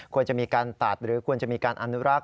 ควรจะมีการตัดหรือควรจะมีการอนุรักษ